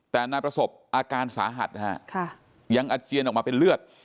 แต่นายประสบอาการสาหัสนะฮะยังอาเจียนออกมาเป็นเลือด